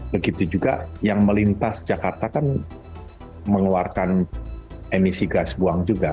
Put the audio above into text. begitu juga yang melintas jakarta kan mengeluarkan emisi gas buang juga